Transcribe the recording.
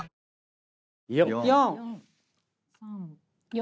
４。